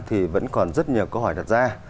thì vẫn còn rất nhiều câu hỏi đặt ra